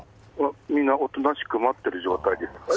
みんなおとなしく待っている状態です。